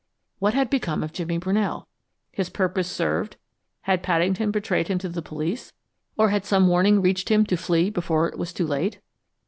What had become of Jimmy Brunell? His purpose served, had Paddington betrayed him to the police, or had some warning reached him to flee before it was too late?